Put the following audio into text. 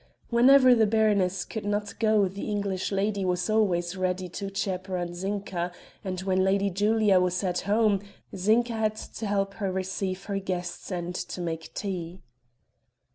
Whenever the baroness could not go the English lady was always ready to chaperon Zinka, and when Lady Julia was 'at home' Zinka had to help her to receive her guests and to make tea.